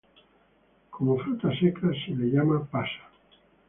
Como fruta seca se la llama pasa.